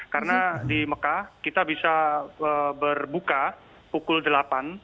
karena di mekah kita bisa berbuka pukul delapan